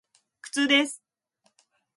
苦痛です。